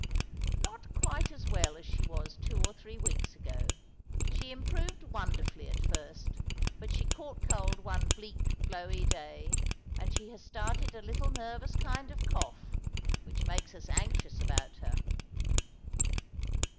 " Not quite so well as she was two or three weeks ago. She improved wonderfully at first, but she caught cold one bleak, blowy day, and she has started a little nervous kind of cough, which makes us anxious about her."